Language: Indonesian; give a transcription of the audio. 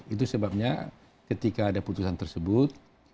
itu sebabnya ketika ada putusan tersebut